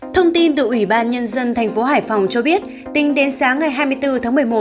thông tin từ ủy ban nhân dân thành phố hải phòng cho biết tính đến sáng ngày hai mươi bốn tháng một mươi một